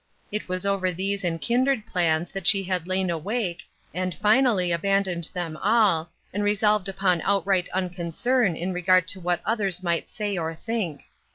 It was over these and kindred plans that she had lain awake, and finally abandoned them all, and resolved upon outright unconcern in regard to what others might say .71 think.